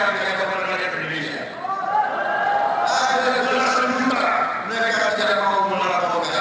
padahal justru mereka yang berkala mudara